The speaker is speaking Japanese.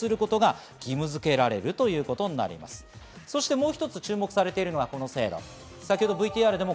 もう一つ注目されているのがこの制度です。